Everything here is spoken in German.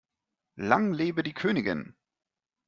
Lang lebe die Königin!